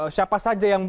siapa saja yang